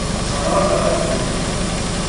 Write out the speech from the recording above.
Зараза растет.